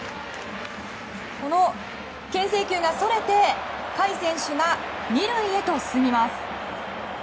この牽制球がそれて甲斐選手が２塁へと進みます。